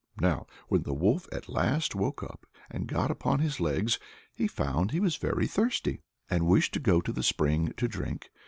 Now when the wolf at last woke up and got upon his legs, he found he was very thirsty, and wished to go to the spring to drink.